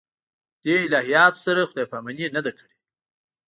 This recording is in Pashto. دې الهیاتو سره خدای پاماني نه ده کړې.